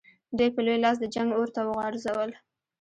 دوی په لوی لاس د جنګ اور ته وغورځول.